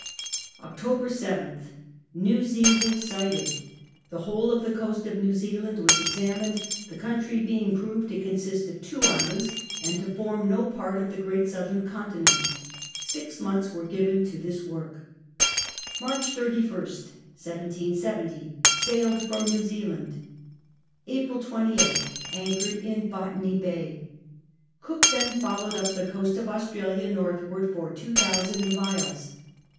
October 7th. New Zealand sighted. The whole of the coast of New Zealand was examined, the country being proved to consist of two islands, and to form no part of the great southern continent. Six months were given to this work. March 315/, 1770. Sailed from New Zealand. Ajnil 28/A. Anchored in Botany Bay. Cook then followed up the coast of Australia northward for two thousand miles.